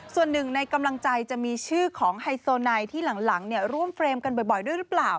ส่วนหนึ่งในกำลังใจจะมีชื่อของไฮโซไนที่หลังร่วมเฟรมกันบ่อยด้วยหรือเปล่า